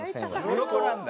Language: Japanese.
うろこなんだ。